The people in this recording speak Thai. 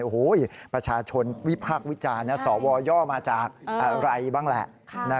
โอ้โหประชาชนวิพากษ์วิจารณ์นะสวย่อมาจากอะไรบ้างแหละ